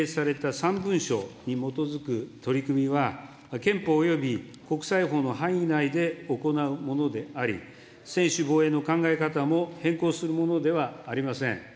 ３文書に基づく取り組みは、憲法および国際法の範囲内で行うものであり、専守防衛の考え方も変更するものではありません。